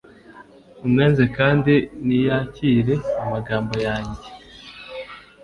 unyanze kandi ntiyakire amagambo yanjye